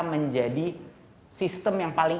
menjadi sistem yang paling